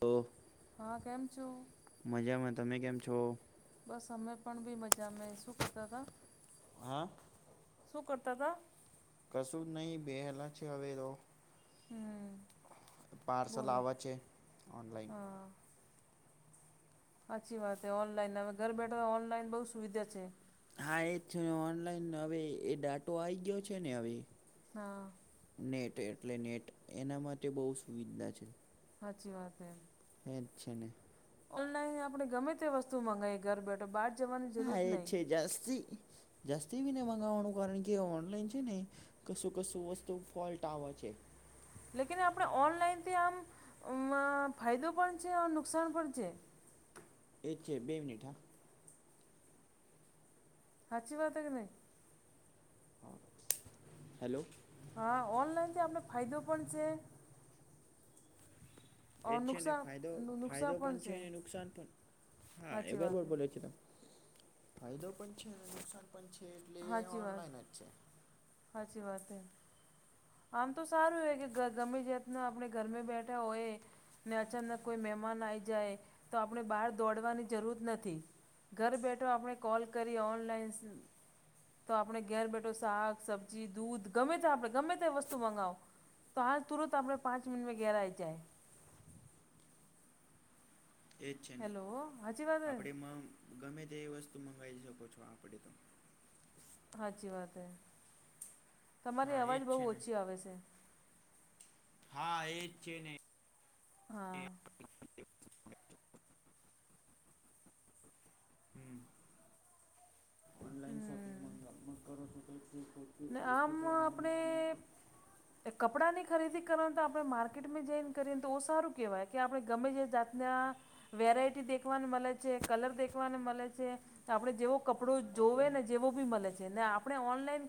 તો. હા કેમ છો? મજામાં તમે કેમ છો? બસ અમે પણ બી મજામે શું કરતા હતા? હા. શું કરતા તા? કશું જ નહી બેહેલા છે હવે તો. હમ પાર્સલ બોલો આવે છે ઓનલાઈન. હાચી વાત હે ઓનલાઈન હવે ઘર બેઠાં બહુ સુવિધા છે. હા એ જ છે ઓનલાઈન હવે એ ડાટો આવી ગયો છે ને હવે. હા. નેટ એટલે નેટ એના માટે બહુ સુવિધા છે. હાચી વાત હૈ. એજ છે ને ઓનલાઈન એ આપડે ગમે તે વસ્તુ મંગાએ ઘર બેઠો બા હા એ છે જાસ્તી. જાસ્તી બીને મંગાવવાનું કારણ કે ઓનલાઈન છે ને કશું કશું વસ્તુ ફોલ્ટ આવે છે. લેકીન આપણે ઓનલાઈનથી આમ ફાયદો પણ છે અને નુકસાન પણ છે. એ છે બે મિનિટ હા, હાચી વાત હે કે નય? હેલો. હા, ઓનલાઈનથી આપને ફાયદો પણ છે અ, એ જ છે ને નુકસાન ફાયદો ફાયદો પણ છે ને નુકસાન પણ. હા એ સાચી વાત હે. [unintelligible] ફાયદો પણ છે અને નુકસાન પણ છે એટલે એ હાચી વાત ઓનલાઈન જ છે. હાચી વાત હૈ. આમ તો સારું એ કે ગ ગમે જાતના આપણે ઘરમે બેઠા હોયે ને અચાનક કોઈ મહેમાન આવી જાય તો આપણે બહાર દોડવાની જરૂર નથી. ઘર બેઠો આપણે કોલ કરી ઓનલાઈન તો આપણે ઘર બેઠો શાક, સબ્જી, દૂધ ગમે તે આપડે ગમે તે વસ્તુ મંગાવો. તો હાલ તુરંત આપડે પાંચ મિનિટમાં ઘેરાઈ જાય. એ જ છે ને હેલો હાચી વાત હે આપણે મ ગમે તે એ વસ્તુ મંગાવી શકો છો આપણે તો સાચી વાત હે તમારી હા અવાજ એજ બહુ છે ને ઓછી આવે છે. હા એ જ છે ને હા. [inaudible] હમ્મ ઓનલાઈન શોપિંગ હમ [unintelligible] ને આમ કરવાનું આપણે અને એ કપડાંની ખરીદી કરવાનું તો આપણે માર્કેટમાં જઈને કરીએને તોહ સારું કહેવાય કે આપણે ગમે તે જાતના વેરાયટી દેખવાને મળે છે કલર દેખવાને મળે છે. આપડે જેવો કપડો જોવે ઓફલાઈન ને જેવો બી મળે છે ને આપણે ઓનલાઈન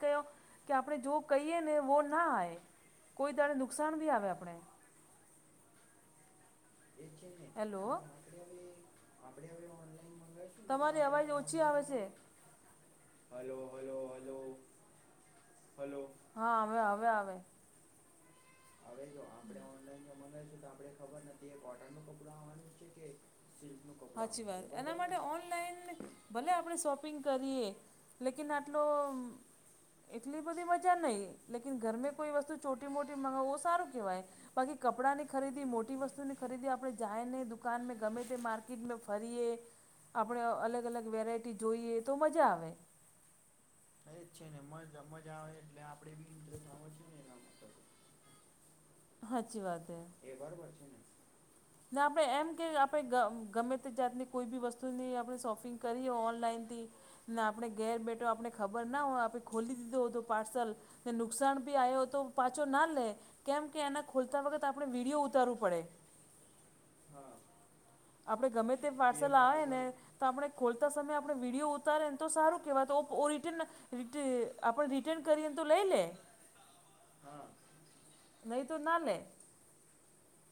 કે આપણે જો કહીએ ને વો ના આવે કોઈ તારે નુકસાન ભી આવે આપણે. [inaudible] હેલો. આપણે હવે આપણે હવે ઓનલાઇન મગાવશું તમારી અવાજ ઓછી આવે છે. હલો હલો હલો હલો હા અવે અવે આવે હવે તો આપડણે ઓનલાઈન જો મગાવીશું તો આપણે ખબર નથી એ કોટન ન કપડું આવવાનું છે કે [unintelligible] કપડા સાચી આવ વાત છે એના બરોબર માટે ઓનલાઈન ભલે આપણે શોપિંગ કરીએ લેકિન આટલો એટલી બધી મજા નહીં લેકીન ઘરમાં કોઈ વસ્તુ છોટી મોટી મગાવ સારું કેવાય. બાકી કપડાં ની ખરીદી મોટી વસ્તુ ની ખરીદી આપણે જાય ને દુકાનને ગમે તે માર્કેટ [unintelligible] ફરીએ આપણે અલગ અલગ વેરાયટી જોઈએ તો મજા આવે. [unintelligible] હાચી વાત હે એ બરોબર છે ને ને આપણે એમ કે આપણે ગમે તે જાતની કોઈ બી વસ્તુની આપણે શોપિંગ કરીએ ઓનલાઈનથી આપણે ઘેર બેઠો આપણે ખબર ના હોય ખોલી દીધો હતો પાર્સલ ને નુકસાન ભી આયો તો પાછો ના લે કેમ કે એના ખોલતા વખત આપણે વિડીયો ઉતારવું પડે. હા. આપડણે ગમે તે પાર્સલ આવે ને તો આપણે ખોલતા સમયે આપણે વિડીયો ઉતારે ને તો સારું કહેવાય તો ઓ રિટર્ન આપણે રિટર્ન કરીએને તો લઈ લે હા નહી તો ના લે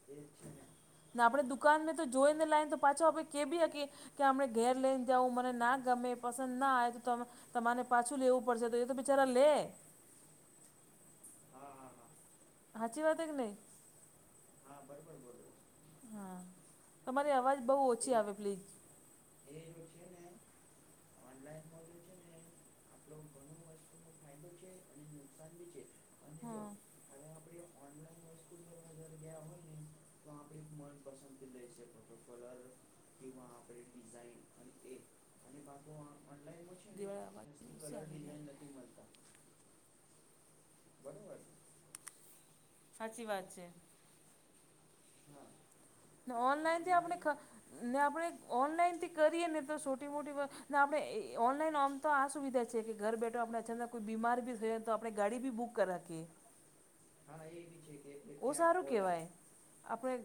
એ છે ને ને આપણે દુકાનને તો જોઈ ને લાઈને તો પાછા આપણે કે બી હકીએ કે આપણે ઘેર લઈને જવ મને ના ગમે પસંદ ના આવે તો તમે તમારે પાછું લેવું પડશે તો એ તો બિચારા લે હા હા હા હાચી વાત હે કે નય હા બરોબર બોલો તમારી અવાજ બહુ ઓછી આવે પ્લીઝ [unintelligible] ઓનલાઈનમાં જો છે ને આપો ઘણ વસ્તુ ફાયદો છે અને નુકસાન બી છે અને જો હા હવે આપણે ઓનલાઈન વસ્તુ ગયા હોય ને તો આપણી મનપસંદી લેશે કલર જે આપણે ડિઝઇન એ પા ઓનલાઈન દિવાળ કલર ડિઝઇન નથી મળતા. બરાબર. સાચી વાત છે. હા ઓનલાઈન જે આપણે ને આપણે ઓનલાઈનથી કરીએ ને તો છોટી મોટી વાત ને આપણે ઓનલાઈન ઓ તો આ સુવિધા છે ઘર બેઠો આપણે અચાનક કોઈ બીમાર બી થઈયને તો આપણે ગાડી બી કરી રાખીએ. હા, એવી છે કે? એટલે ઓ કેબ સારું ઓલા કેહેવાય આપણે.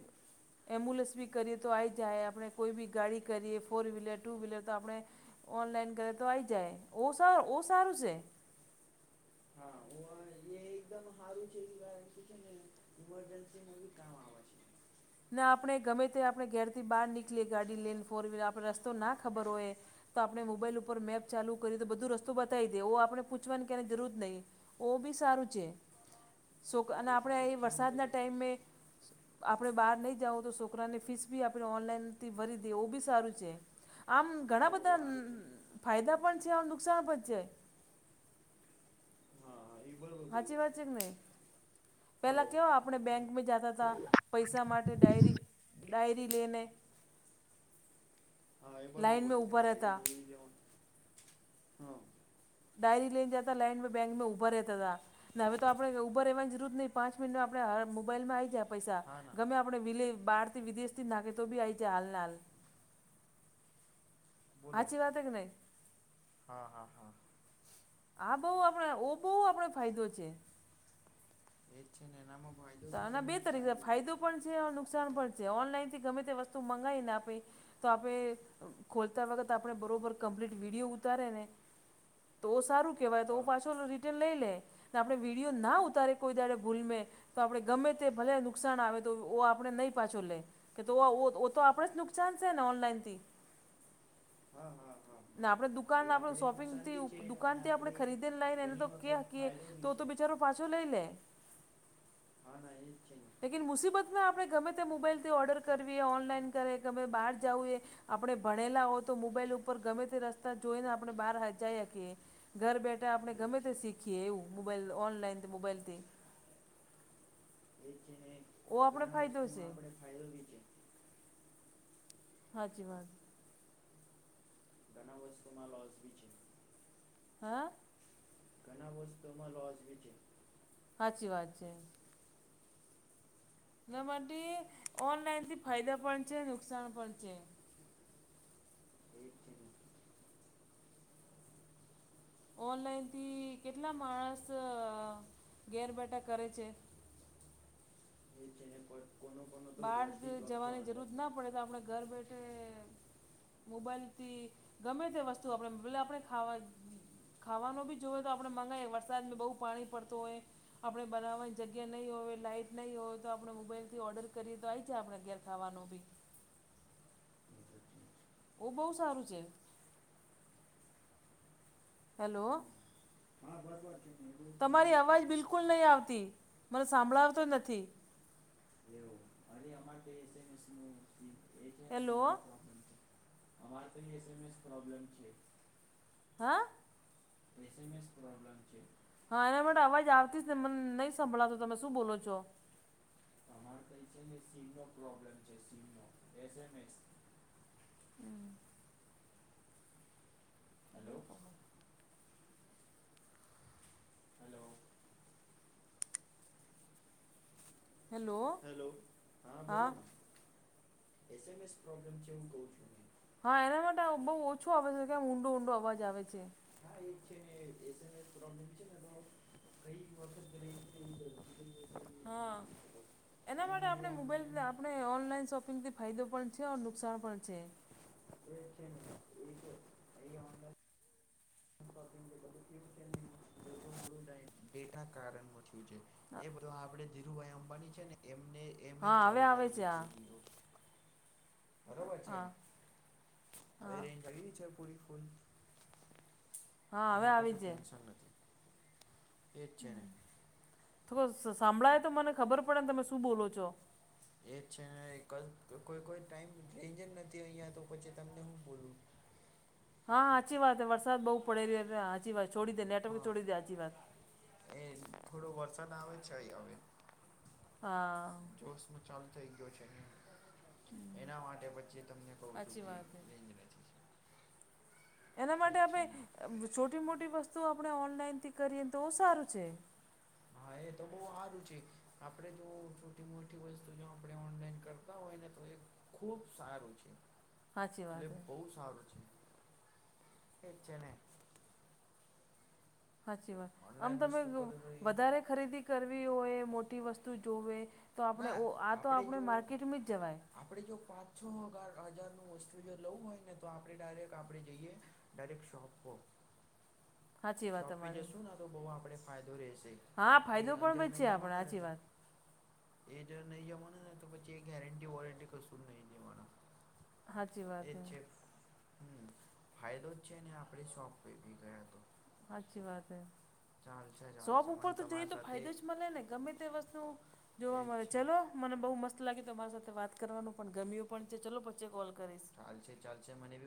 એમ્બ્યુલન્સ બી કરીએ તો આવીઈ જાય આપણે કોઈ બી ગાડી કરીએ ફોર વ્હીલર ટુ વ્હીલર તો આપણે ઓનલાઈન કરે તો આવી જાય ઓ સારું ઓ સારું છે. હા. એ એકદમ સારું છે કારણ કે છે ને ઇમરજન્સીમાં બી કામ આવે છે. નાને આપણે ગમે તે આપણે ઘેરથી બહાર નીકળએ ગાડી લઈને ફોર વ્હીલર આપણે રસ્તો ના ખબર હોય. તો આપણે મોબાઈલ ઉપર મેપ ચાલુ કરીએ તો બધું રસ્તો બતાવી દે આપણે પૂછવાની કની જરૂર જ નહીં. ઓ બી સારું છે શો એ અને બી આપણે સારું એ છે ને તો વરસાદના પછી ટાઈમેં... આપણે બહાર નહીં જાઓ તો છોકરાને ફીસ આપણે ઓનલાઈનથી ભરી દેવ બી સારું છે. આમ એ ઘણા તો બહુ બધા સારું છે ફાયદા પણ છે આ નુકસાન પણ છે. હા એ બરોબર હાચી બોલ્યું વાત છે કે નહી પેલા હવ કેવ આપ [unintelligible] બેંકમાં જતા હતા પૈસા માટે ડાયરી ડાયરી લઈને હા, એપર પણ લાઈન મે બ છે ઊભા ડાયરી રહેતા ડરી જેમન હા. ડાયરી લેને જતા લાઈન બેંકમાં ઊભા રહેતા હતા. ના હવે તો આપણે ઉભર રહેવાની જરૂર જ નહી પાંચ મિનટ આપણે મોબાઈલમાં આ આવી જાય પૈસા હા ના ગમે આપણે વિલે બાર થી વિદેશથી નાખે તો બી આવી જાય હાલ ને હાલ... બોલો હાચી વાત હ કે નઈ. હા હા હા. આ બહું આપણે ઓ બહુ આપણે ફાયદો છે. એજ છે ને એનામાં ફાયદો તો બી છે આના ને બે નુકસાન તરીકે ભી છે. ફાયદો નુકસાન પણ છે ઓનલાઈન થી ગમે તે વસ્તુ મંગીને આપે તો આપે ખોલતા વખત આપણે બરોબર કમ્પ્લીટ વિડીયો ઉતારેને તો સારું. કેવાય તો હા પાછ [unintelligible] રિટર્ન લઈ લે આપણે વિડીયો ના ઉતારે કોઈ ત ભૂલ મે. તો આપણે ગમે તે ભલે નુકસાન આવે તો ઓ આપણે નહીં પાછો લે... કે તો તો આપણે જ નુકસાન છે ને ઓનલાઈનથી હા હા હા. હા ના આપડે એ દુકાન આપ આપણે શોપિંગ નુકસાન થી બી છે અને દુકાનથી આપણે ખરીદી ને લઈ ને એને તો ઘણી ક વખત કએ ફાયદો બી તો છે બિચારો. પાછો લઈ લે. હા એ છેન [inaudible] લેકન મુસીબતમાં આપણે ગમે તે મોબાઈલથી ઓર્ડર કરવીએ ઓનલાઈન કરે ગમે બહાર જાવું એ. આપણે ભણેલા હોય તો મોબાઈલ ઉપર ગમે તે રસ્તા જોઈને આપણે બહાર હચાઈ આપકીએ. ઘર બેઠા આપણે એ જ ગમે છે તે શીખીએ એવું મોબાઈલ ઓનલાઈન મોબાઈલથી. એ જ છે ને ઓ આપણે ઘણા ફાયદો વસ્તુમાં છે આપણે ફાયદો બી છે. હાચી વાત. ઘણા વસ્તુમાં લોઝ બી છે. હા. ઘણા વસ્તુમાં લોઝ બજે.. વાત [inaudible] એના માટે ઓનલાઈનથી ફાયદા પણ છે નુકસાન પણ છે. એ જ [inaudible] ઓનલાઈનથી કેટલા માણસ ઘેર બેઠા કરે છે. એ જને કો કો [inaudible] બહાર જવાની જરૂર ના પડે તો આપણે ઘર બેઠે. મોબાઈલથી ગમે તે વસ્તુ આપણે પલે આપણે ખાવા. ખાવાનો બી જોવે તો આપડણે મગાવ વરસાદ બહુ પાણી પડતું હોય. આપણે બનાવાની જગ્યા નહી હોય લાઈટ નહી હોય તો આપણે મોબાઈલથી ઓર્ડર. કરીએ તો આઈ જ આપણે ઘેર ખાવાનું ભી. ઓ બહુ સારું છે. હેલો. હા. ને એ બહુ સારું તમારી જ અવાજ બિલકુલ નહીં મને નથી. એેવ અરે અમારે એસમસ ન સ એ છે હેલો સીમ પ્રોબ્લેમ છે. અમારે તો એસ એમ એસ પ્રોબ્લેમ છે. હા [inaudible] એસ એમ એસ પ્રોબ્લેમ છે [inaudible] હા, એના માટે અવાજ આવતી જ ને મને નહીં સંભળાતો તમે શું બોલો છો? અમારે કઈ છે ને સીમ નો પ્રોબ્લેમ છે સીમ નો એસમ એસ [inaudible] હમ. હલો. હલો. હેલો, હા બોલો. એસ એમ એસ પ્રોબ્લેમ છે એવું કઉ છું મેહી. હા એના માટે બહુ ઓછું આવે છે કેમ ઊંડો-ઊંડો અવાજ આવે છે. હા એક છે એસમસ પ્રોબ્લેમ છે ને તો કઈ વખત ર. [inaudible] હા. એના માટે બી આપણે મોબાઈલ આપ. ઓનલાઈન આપણે ઓનલાઈન શોપિંગથી ફાયદો પણ છે નુકસાન પણ છે. એ છે એ તો. બેટા કારણ એધ આપણે ધીરુભાઈ અંબાણી છે ને એમને એમ હા હવે ચાલુ આવે કરેલું છે. હા બરોબર છે હા હવે હા રેન્જ આવી છે પૂરી ખૂલ. હા હવે આવીજે. એ છેને [inaudible] તો સાંભળાય તો મને ખબર પડે ને તમે શું બોલો છો. એજ છે ને કોઈ કોઈ ટાઈમ રેન્જ જ નથી અહિયાં તો પછી તમને હું બોલું. હા, હાચી વાત વરસાદ બહું પડી રયો છે હાચી વાત છોડી દે નેટવર્ક હા છોડી દે હાચી વાત. એ થોડો વરસાદ આવે છે અયા હવે. હા. ચોસમો ચાલુ થઈ ગયો છે અહી. એના માટે પછી તમને કવ હાચી છુંકી વાત હે. રેન્જ નથી. એના એ જ માટે છે ને આપણે છોટી મોટી વસ્તુ આપણે ઓનલાઈનથી કરીએ તો સારું છે. હા, એ તો બહું હારું છે. આપણે છોટી મોટી વસ્તુ જો આપણે ઓનલાઈન કરતા હોય ને તો ખૂબ સારું છે. હાચી એટલે વાત હે. બહુ સારું છે એ છે ને? સાચી વાત આમ ઓનલાઈન તમે વસ્તુ કરવી જોઈએ વધારે ખરીદી કરવી હોય મોટી વસ્તુ જોવે. તો આપણે ના ઓ આ તો આપણે જો માર્કેટમાં જ જવાય. આપણે જો પાંચ છ હગ હજારનું વસ્તુ જો લઉું હોય ને તો આપણે ડાયરેક્ટ આપણે જઈએ. ડાયરેક્ટ શોપકો... સાચી વાત શોપ પે તમારી જશું તો બહુ આપણે ફાયદો રહેશે. હા એ ફાયદો પણ અંજર ભાઈ નહી છે આપણે જવાના ને સાચી તો વાત એ જો નહી જવાનું ને તો પછી એ ગેરંટી વોરંટી કશું જ નહીં જેવાનું સાચી વાત એક હે છેે. હમ, ફાયદો જ છે ને આપણે શોપ પે ભી ગયા તો. સાચી વાત હ ચાલશે શોપ ચાલશે ઉપર મને તો જઈએ તમારી તો સાથે ફાયદો જ મળે ને ગમે તે વસ્તુ શું એ જોવા જ મળે ચલો મને છે બઉ મસ્ત લાગે તો તમારી સાથે વાત કરવાનું પણ ગમ્યું પણ છે ચલો પછે કોલ કરીશ. ચાલશે ચાલશે મને બી